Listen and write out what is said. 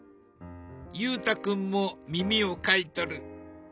裕太君も耳を描いとる。